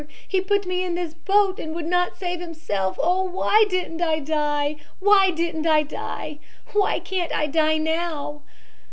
He put me in this boat and would not save himself. Oh, why didn't I die, why didn't I die? Why can't I die now?'